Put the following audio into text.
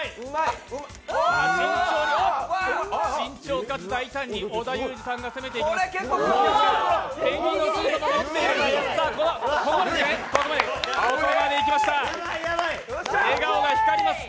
慎重かつ大胆に織田裕二さんが攻めていきます。